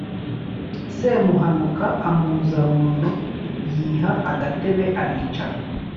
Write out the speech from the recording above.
Semuhanuka amuza runono, yiha agatebe aricara